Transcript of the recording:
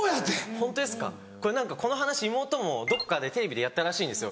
ホントですかこの話妹もどこかでテレビでやったらしいんですよ。